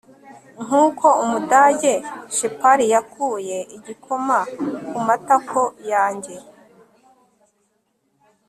nkuko umudage sheppard yakuye igikoma kumatako yanjye